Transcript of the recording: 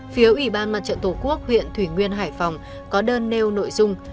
phía ủy ban mặt trận tổ quốc huyện thủy nguyên hải phòng có đơn nêu nội dung